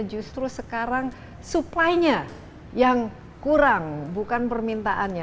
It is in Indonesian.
justru sekarang supply nya yang kurang bukan permintaannya